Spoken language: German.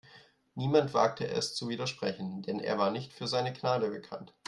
Niemand wagte es zu widersprechen, denn er war nicht für seine Gnade bekannt.